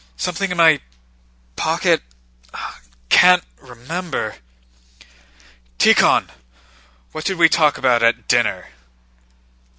Something in my pocket—can't remember...." "Tíkhon, what did we talk about at dinner?"